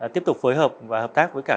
tiếp tục phối hợp và hợp tác với cả